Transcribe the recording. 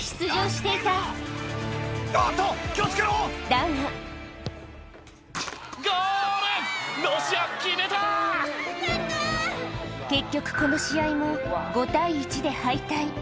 だが・やった・結局この試合も５対１で敗退